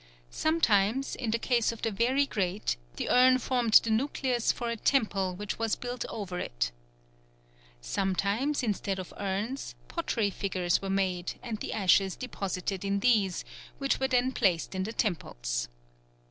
Sometimes, in the case of the very great, the urn formed the nucleus for a temple which was built over it. Sometimes, instead of urns pottery figures were made and the ashes deposited in these, which were then placed in the temples.